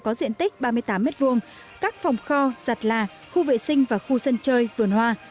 có một kho giặt là khu vệ sinh và khu sân chơi vườn hoa